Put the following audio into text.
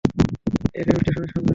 FM স্টেশনের সামনে।